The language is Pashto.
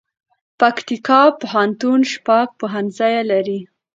پکتیکا پوهنتون شپږ پوهنځي لري